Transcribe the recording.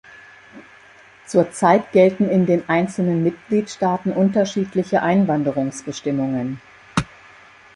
Zur Zeit gelten sind in den einzelnen Mitgliedstaaten unterschiedliche Einwanderungsbestimmungen.